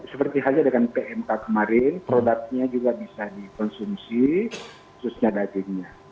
seperti halnya dengan pmk kemarin produknya juga bisa dikonsumsi khususnya dagingnya